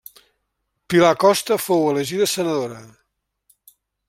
Pilar Costa fou elegida senadora.